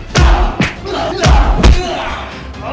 gak ada siapa siapa